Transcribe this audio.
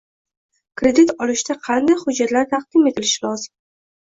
kredit olishda qanday hujjatlar taqdim etilishi lozim?